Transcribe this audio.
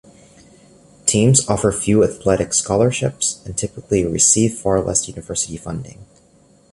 Teams offer few athletic scholarships and typically receive far less university funding.